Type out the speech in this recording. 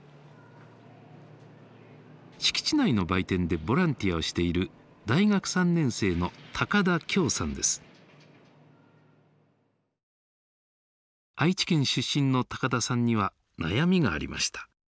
敷地内の売店でボランティアをしている大学３年生の愛知県出身の高田さんには悩みがありました。